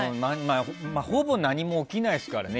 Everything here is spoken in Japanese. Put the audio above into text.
ほぼ何も起きないですからね。